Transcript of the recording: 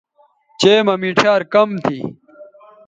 چئے مہ مِٹھیار کم تھی